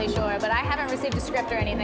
tapi saya tidak mendapatkan skrip atau apa apa